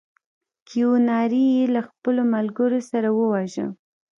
کیوناري یې له خپلو ملګرو سره وواژه.